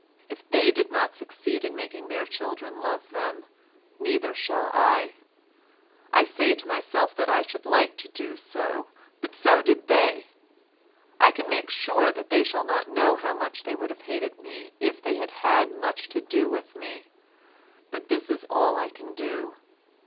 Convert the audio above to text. If they did not succeed in making their children love them, neither shall I. I say to myself that I should like to do so, but so did they. I can make sure that they shall not know how much they would have hated me if they had had much to do with me, but this is all I can do.